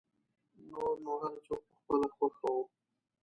نور نو هر څوک په خپله خوښه و.